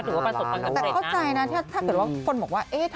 ใช่เต้นแรงค่ะเต้นแรง